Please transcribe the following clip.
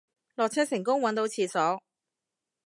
落車成功搵到廁所